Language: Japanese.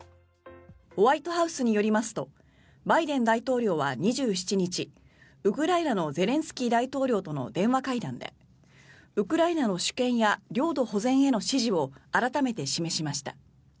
ホワイトハウスによりますとバイデン大統領は２７日ウクライナのゼレンスキー大統領との電話会談でウクライナの主権や領土保全への支持を改めて示しました。